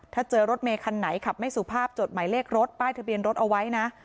ถ้าเจอรถเมคันไหนขับไม่สุภาพจดหมายเลขรถป้ายทะเบียนรถเอาไว้นะ